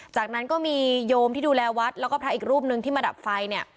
จากนั้นก็มีโยมที่ดูแลวัดแล้วก็พระอีกรูปนึงที่มาดับไฟเนี่ย